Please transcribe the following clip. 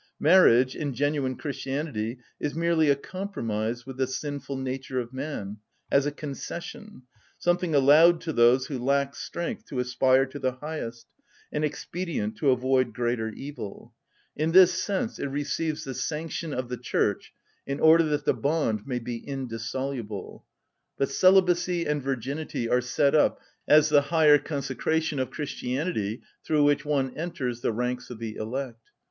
Marriage, in genuine Christianity, is merely a compromise with the sinful nature of man, as a concession, something allowed to those who lack strength to aspire to the highest, an expedient to avoid greater evil: in this sense it receives the sanction of the Church in order that the bond may be indissoluble. But celibacy and virginity are set up as the higher consecration of Christianity through which one enters the ranks of the elect.